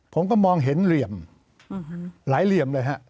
ผมก็มองเห็นเหลี่ยมหลายเหลี่ยมเลยฮะ